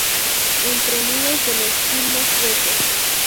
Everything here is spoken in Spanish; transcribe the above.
Entrenudos de los culmos huecos.